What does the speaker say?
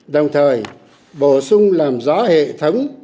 đồng thời bổ sung làm rõ hệ thống